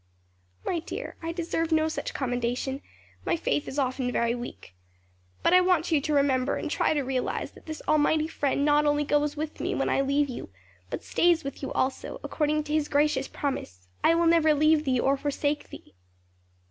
'" "My dear, I deserve no such commendation; my faith is often very weak. But I want you to remember and try to realize that this almighty Friend not only goes with me when I leave you, but stays with you also; according to His gracious promise, 'I will never leave thee nor forsake thee.'